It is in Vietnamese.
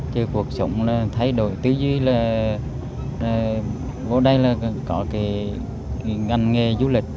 chứ cuộc sống là thay đổi tư duy là vô đây là có cái ngành nghề du lịch